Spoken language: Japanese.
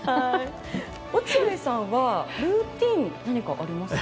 落合さんはルーティン、何かありますか？